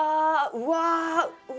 うわ！